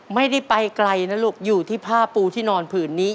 ไม่ได้ไปไกลนะลูกอยู่ที่ผ้าปูที่นอนผืนนี้